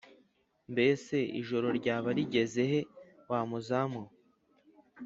Mbese ijoro ryaba rigeze he, wa munyezamu we ?»